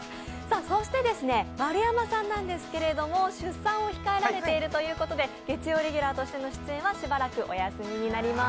そして丸山さんなんですけど、出産を控えられているということで、月曜レギュラーとしての出演はしばらくお休みになります。